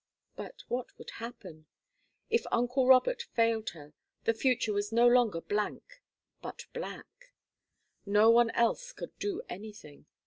But what would happen? If uncle Robert failed her, the future was no longer blank but black. No one else could do anything.